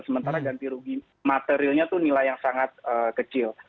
sementara ganti rugi materialnya itu nilai yang sangat kecil